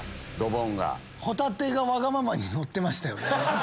ホタテがわがままにのってましたよね